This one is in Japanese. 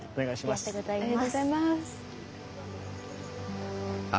ありがとうございます。